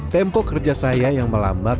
tempo kerja saya yang melambat